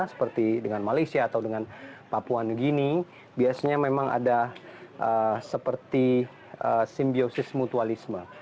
seperti dengan malaysia atau dengan papua new guinea biasanya memang ada seperti simbiosis mutualisme